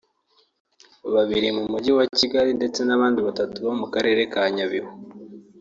babiri mu mujyi wa Kigali ndetse n’abandi batatu bo mu karere ka Nyabihu